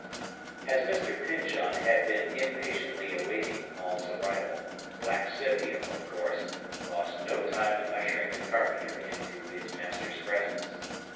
As Mr. Pyncheon had been impatiently awaiting Maule's arrival, black Scipio, of course, lost no time in ushering the carpenter into his master's presence.